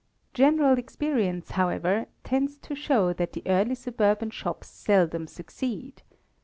General experience, however, tends to show that the early suburban shops seldom succeed.